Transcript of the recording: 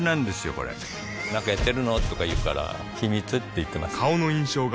これなんかやってるの？とか言うから秘密って言ってます